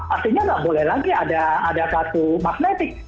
artinya tidak boleh lagi ada kartu magnetik